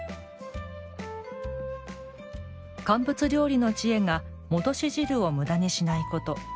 乾物料理の知恵が「戻し汁」をむだにしないこと。